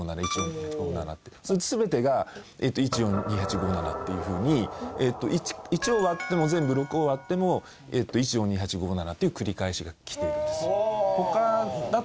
それで全てが１４２８５７っていうふうに１を割っても６を割っても１４２８５７っていう繰り返しが来ているんです。